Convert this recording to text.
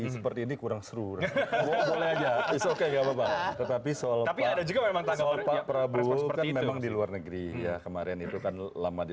seperti ini kurang seru tetapi soal soal prabowo memang di luar negeri kemarin itu kan lama di